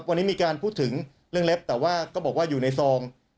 วันนี้มีการพูดถึงเรื่องเล็บแต่ว่าก็บอกว่าอยู่ในซอง